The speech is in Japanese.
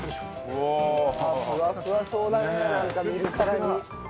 うわふわふわそうだねなんか見るからに。